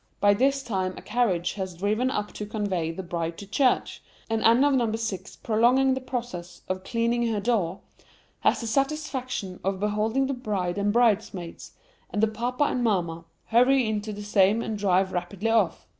By this time a carriage has driven up to convey the bride to church, and Anne of number six prolonging the process of 'cleaning her door,' has the satisfaction of beholding the bride and bridesmaids, and the papa and mamma, hurry into the same and drive rapidly off.